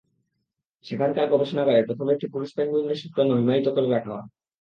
সেখানকার গবেষণাগারে প্রথমে একটি পুরুষ পেঙ্গুইনের শুক্রাণু হিমায়িত করে রাখা হয়।